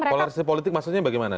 polarisasi politik maksudnya bagaimana